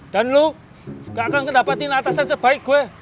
dan lo gak akan mendapatkan atasan sebaik gue